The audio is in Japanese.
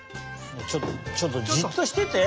ちょっとちょっとじっとしてて！